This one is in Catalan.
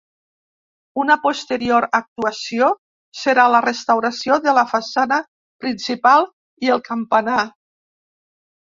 Una posterior actuació serà la restauració de la façana principal i el campanar.